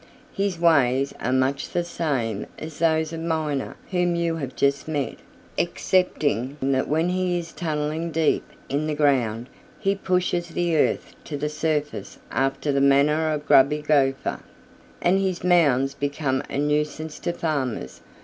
His ways are much the same as those of Miner whom you have just met, excepting that when he is tunneling deep in the ground he pushes the earth to the surface after the manner of Grubby Gopher, and his mounds become a nuisance to farmers.